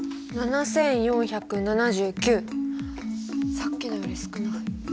さっきのより少ない。